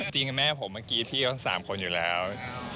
จริงแม่ผมเมื่อกี้พี่เขา๓คนอยู่แล้ว